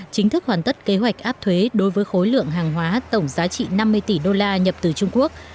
chính thức hoàn tất kế hoạch áp thuế đối với khối lượng hàng hóa tổng giá trị năm mươi tỷ đô la nhập từ trung quốc